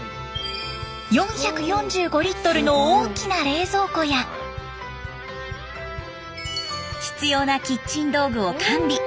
４４５リットルの大きな冷蔵庫や必要なキッチン道具を完備。